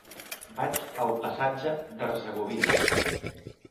Vaig al passatge d'Hercegovina.